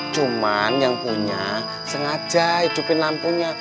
cuman yang punya sengaja hidupin lampunya